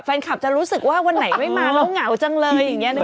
แฟนคลับจะรู้สึกว่าวันไหนไม่มาแล้วเหงาจังเลยอย่างนี้